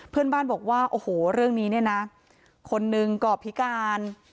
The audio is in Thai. เพื่อนบ้านบอกว่าโอ้โหเรื่องนี้เนี่ยนะคนนึงก่อพิการ